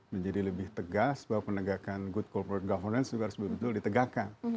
menjadi lebih tegas bahwa penegakan good corporate governance juga harus betul betul ditegakkan